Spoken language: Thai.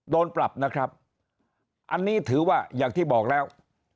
โดนปรับนะครับอันนี้ถือว่าอย่างที่บอกแล้ว